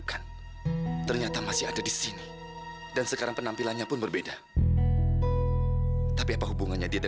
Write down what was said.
sampai jumpa di video selanjutnya